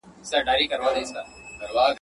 ځي تر قصابانو په مالدار اعتبار مه کوه.